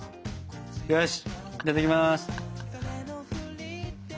よしいただきます！